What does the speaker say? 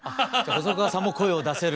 細川さんも声を出せる？